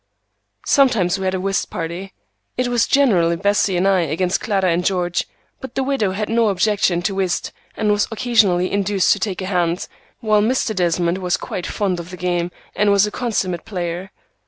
Sometimes we had a whist party. It was generally Bessie and I against Clara and George, but the widow had no objection to whist and was occasionally induced to take a hand, while Mr. Desmond was quite fond of the game and was a consummate player.